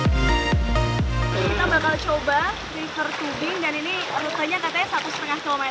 kita bakal coba reser tubing dan ini lukanya katanya satu lima km